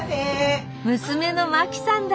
娘の麻紀さんだ。